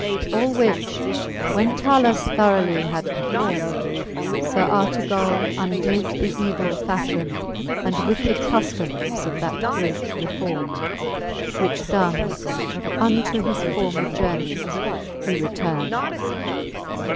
All which when Talus throughly had perfourmed, Sir Artegall undid the evill fafhion, And wicked cuflomes of that bridge refourmed. Which done, unto his former journey he retourned.